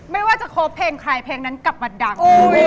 ไม่ว่าจะครบเพลงใครเพลงนั้นกลับมาดัง